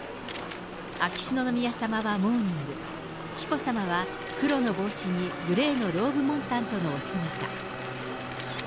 秋篠宮さまはモーニング、紀子さまは黒の帽子にグレーのローブモンタンのお姿。